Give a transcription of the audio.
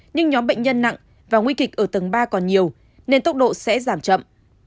nhưng nhóm bệnh nhân nặng và nguy kịch ở tầng ba còn nhiều nên tốc độ sẽ giảm chậm